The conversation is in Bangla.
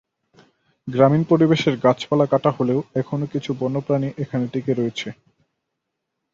গ্রামীণ পরিবেশের গাছপালা কাটা হলেও এখনো কিছু বন্যপ্রাণী এখানে টিকে রয়েছে।